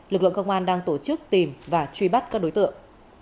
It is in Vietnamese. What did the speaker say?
lực lượng công an đang tổ chức tìm và truy bắt các đối tượng